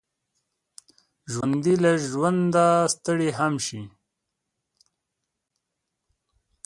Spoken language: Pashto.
ژوندي له ژونده ستړي هم شي